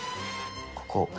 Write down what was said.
ここ。